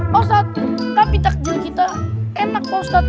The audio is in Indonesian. pak ustadz tapi takjil kita enak pak ustadz